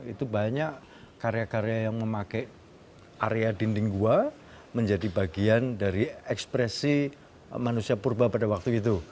itu banyak karya karya yang memakai area dinding gua menjadi bagian dari ekspresi manusia purba pada waktu itu